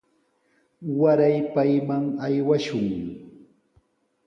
Waray payman aywashun.